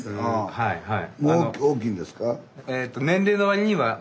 はいはい。